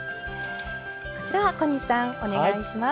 こちらは小西さんお願いします。